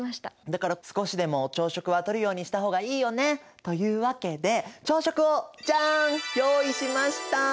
だから少しでも朝食はとるようにした方がいいよね。というわけで朝食をジャン用意しました！